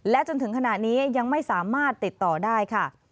จนถึงขณะนี้ยังไม่สามารถติดต่อได้ค่ะ